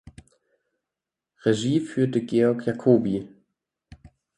Regie führte Georg Jacoby.